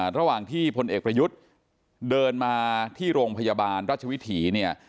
ระหว่างที่พลเอกประยุทธ์เดินมาที่โรงพยาบาลราชวิถีเนี่ย